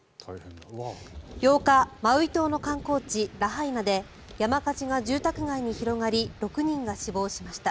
８日マウイ島の観光地、ラハイナで山火事が住宅街に広がり６人が死亡しました。